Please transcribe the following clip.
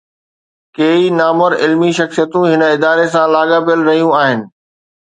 ڪيئي نامور علمي شخصيتون هن اداري سان لاڳاپيل رهيون آهن.